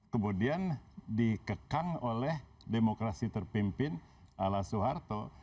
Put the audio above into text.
kemudian dikekang oleh demokrasi terpimpin ala soeharto